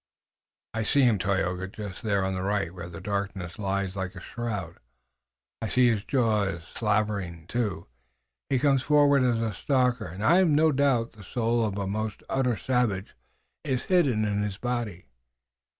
"I see him, Tayoga, just there on the right where the darkness lies like a shroud. I see his jaws slavering too. He comes forward as a stalker, and I've no doubt the soul of a most utter savage is hidden in his body.